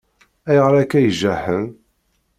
Ayɣer akka i jaḥen?